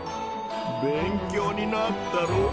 勉強になったろう。